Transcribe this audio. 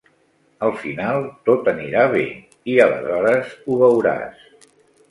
Al final tot anirà bé, i aleshores ho veuràs.